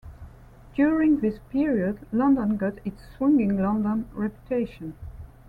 During this period, London got its "Swinging London" reputation.